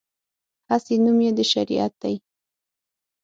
هسې نوم یې د شریعت دی.